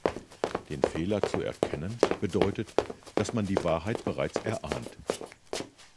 Den Fehler zu erkennen, bedeutet, dass man die Wahrheit bereits erahnt.